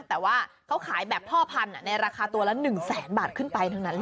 แต่ว่าเขาขายแบบพ่อพันธุ์ในราคาตัวละ๑แสนบาทขึ้นไปทั้งนั้นเลย